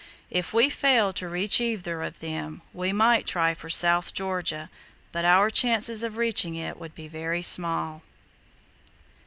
If we failed to reach either of them we might try for South Georgia, but our chances of reaching it would be very small.